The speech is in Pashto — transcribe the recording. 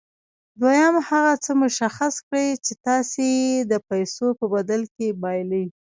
دويم هغه څه مشخص کړئ چې تاسې يې د پیسو په بدل کې بايلئ.